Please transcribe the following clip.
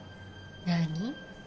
何？